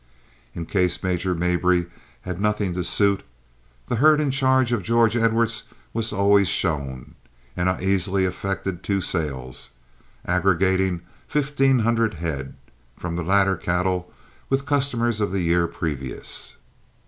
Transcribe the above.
In case Major Mabry had nothing to suit, the herd in charge of George Edwards was always shown, and I easily effected two sales, aggregating fifteen hundred head, from the latter cattle, with customers of the year previous.